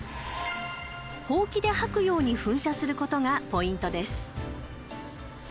ホウキで掃くように噴射することがポイントです。